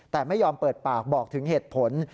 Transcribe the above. แต่ไม่ยอมเปิดปากบอกถึงเหตุผล